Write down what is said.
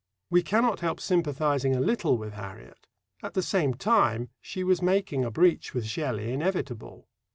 We cannot help sympathizing a little with Harriet. At the same time, she was making a breach with Shelley inevitable.